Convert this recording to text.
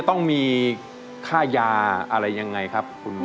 ตัวแรงครับ